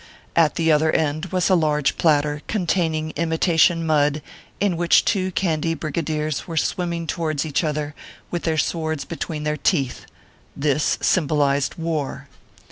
At the other end was a large platter, con taining imitation mud, in which two candy brigadiers were swimming towards each other, with their swords between their teeth. This symbolized " War."